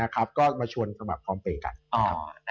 ก็มาชวนคำบัดพร้อมเปกัน